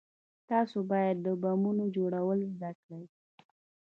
تاسې بايد د بمونو جوړول زده كئ.